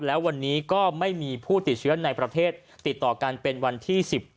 แล้ววันนี้ก็ไม่มีผู้ติดเชื้อในประเทศติดต่อกันเป็นวันที่๑๗